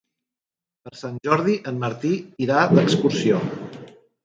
Per Sant Jordi en Martí irà d'excursió.